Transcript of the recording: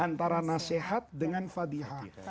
antara nasihat dengan fadihah